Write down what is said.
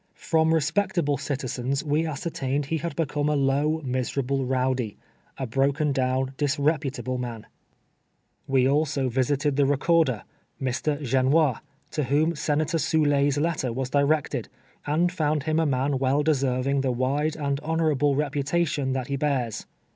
From respectable citiziMw we ascertained he had become a low, miserable row<ly — a broken down, disreputable man. THE EECOEDER OF NE"^ OIlLEANS. 311 "We also visited the recorder, Mr. Genois, to whom Senator Soule's letter was directed, and found him a man well deserving the wide and honorable reputa tion that he bears.